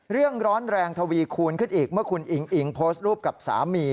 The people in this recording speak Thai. ร้อนแรงทวีคูณขึ้นอีกเมื่อคุณอิ๋งอิ๋งโพสต์รูปกับสามี